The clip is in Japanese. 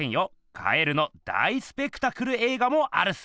蛙の大スペクタクルえい画もあるっす！